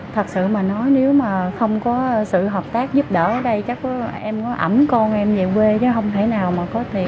thật sự mà nói nếu mà không có sự hợp tác giúp đỡ ở đây chắc em có ẩm con em về quê chứ không thể nào có tiền để chữa trị nhiều cho bé